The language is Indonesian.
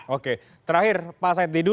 oke terakhir pak said didu